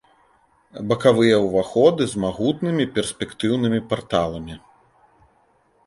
Бакавыя ўваходы з магутнымі перспектыўнымі парталамі.